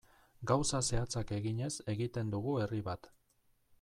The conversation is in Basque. Gauza zehatzak eginez egiten dugu herri bat.